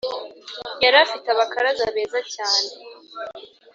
Yarafite abakaraza beza cyane